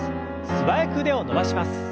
素早く腕を伸ばします。